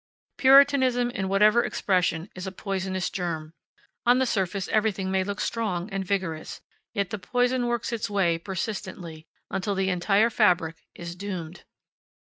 Puritanism, in whatever expression, is a poisonous germ. On the surface everything may look strong and vigorous; yet the poison works its way persistently, until the entire fabric is doomed.